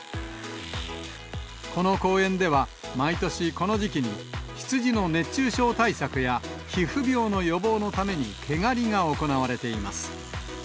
この公園では毎年この時期に、羊の熱中症対策や、皮膚病の予防のために、毛刈りが行われています。